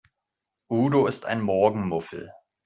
Udo ist ein Morgenmuffel.